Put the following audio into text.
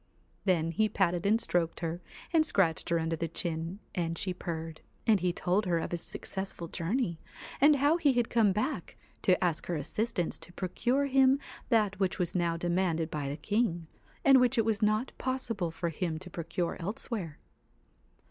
Then he patted and stroked her and scratched her under the chin, and she purred ; and he told her of his successful journey, and how he had come back to ask her assistance to procure him that which was now demanded by the king, and which it was not possible for him to procure elsewhere.